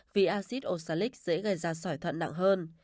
vì acid osalic dễ gây ra sỏi thận nặng hơn